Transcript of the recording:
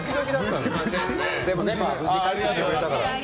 でも無事帰ってきてくれたから。